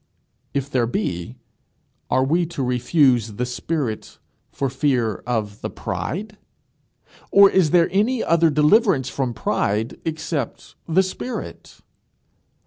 If there be, are we to refuse the spirit for fear of the pride? Or is there any other deliverance from pride except the spirit?